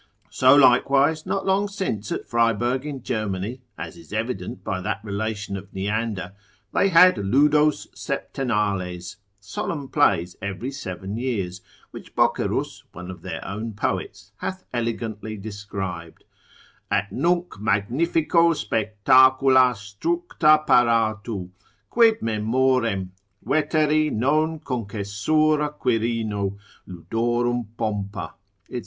So likewise not long since at Friburg in Germany, as is evident by that relation of Neander, they had Ludos septennales, solemn plays every seven years, which Bocerus, one of their own poets, hath elegantly described: At nunc magnifico spectacula structa paratu Quid memorem, veteri non concessura Quirino, Ludorum pompa, &c.